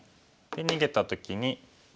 で逃げた時に。